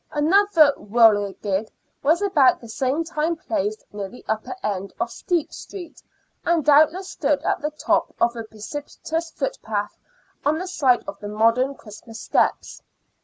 Another whirligig was about the same time placed near the upper end of Steep Street, and doubtless stood at the top of a precipitous footpath on the site of the modern Christmas Steps.